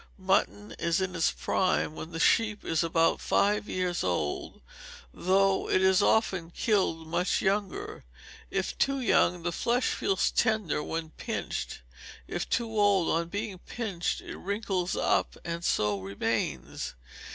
Mutton is in its prime when the sheep is about five years old, though it is often killed much younger. If too young, the flesh feels tender when pinched; if too old, on being pinched it wrinkles up, and so remains.